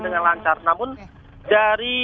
dengan lancar namun dari